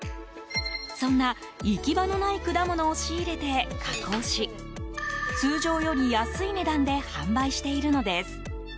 そんな行き場のない果物を仕入れて、加工し通常より安い値段で販売しているのです。